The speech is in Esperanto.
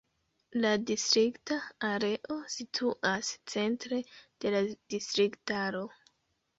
La distrikta areo situas centre de la distriktaro.